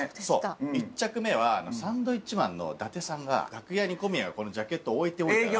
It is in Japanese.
１着目はサンドウィッチマンの伊達さんが楽屋に小宮がこのジャケット置いておいたら。